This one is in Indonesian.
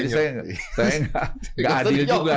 saya nggak adil juga